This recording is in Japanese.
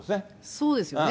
そうですよね。